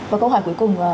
và câu hỏi cuối cùng